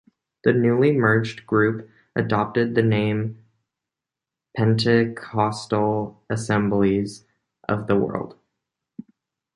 The newly merged group adopted the name Pentecostal Assemblies of the World.